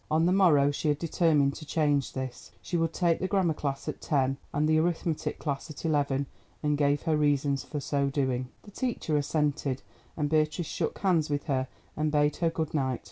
On the morrow she had determined to change this; she would take the grammar class at ten and the arithmetic class at eleven, and gave her reasons for so doing. The teacher assented, and Beatrice shook hands with her and bade her good night.